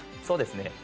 そうですね